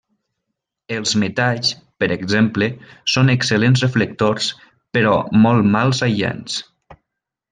Els metalls, per exemple, són excel·lents reflectors però molt mals aïllants.